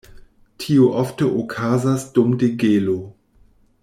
Tio ofte okazas dum degelo.